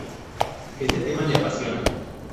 Este tema le apasiona.